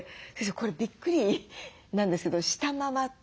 これびっくりなんですけど「したまま」というのは？